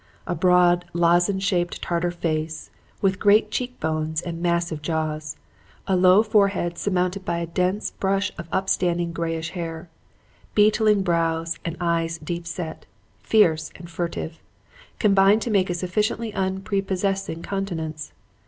A broad, lozenge shaped Tartar face, with great cheekbones and massive jaws; a low forehead surmounted by a dense brush of up standing grayish brown hair; beetling brows and eyes deep set, fierce and furtive; combined to make a sufficiently unprepossessing countenance.